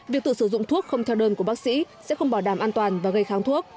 việc tự sử dụng thuốc không theo đơn của bác sĩ sẽ không bảo đảm an toàn và gây kháng thuốc